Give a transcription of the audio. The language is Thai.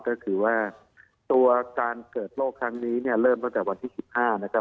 ก็คือว่าตัวการเกิดโรคครั้งนี้เนี่ยเริ่มตั้งแต่วันที่๑๕นะครับ